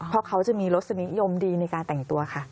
เพราะเขาจะมีรสนิยมดีในการแต่งตัวค่ะ